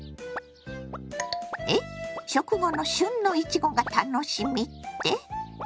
食後の旬のいちごが楽しみって？